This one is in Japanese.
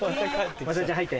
雅代ちゃん入って。